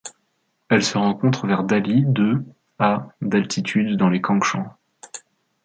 Elle se rencontre vers Dali de à d'altitude dans les Cangshan.